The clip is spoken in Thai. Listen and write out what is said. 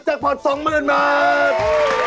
แจ๊กพอร์ต๒หมื่นเมือง